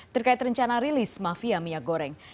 terkait rencana rilis mafia minyak goreng